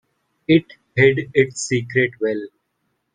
It hid its secret well.